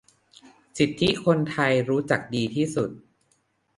สิทธิที่คนไทยรู้จักดีที่สุด